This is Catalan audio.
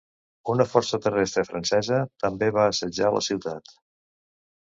Un força terrestre francesa també va assetjar la ciutat.